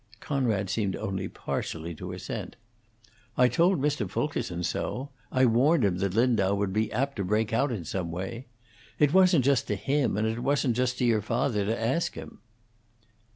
Conrad seemed only partially to assent. "I told Mr. Fulkerson so. I warned him that Lindau would be apt to break out in some way. It wasn't just to him, and it wasn't just to your father, to ask him."